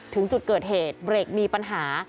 ถึงจุดเกิดเหตุเบรกมีปัญหา